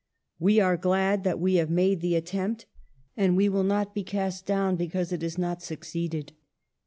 We are glad that we have made the attempt, and we 154 EMILY BRONTE. will not be cast down because it has not suc ceeded."